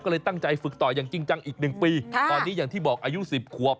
ก็เลยตั้งใจฝึกต่ออย่างจริงจังอีกหนึ่งปีตอนนี้อย่างที่บอกอายุ๑๐ขวบ